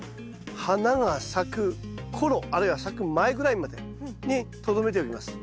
花が咲く頃あるいは咲く前ぐらいまでにとどめておきます。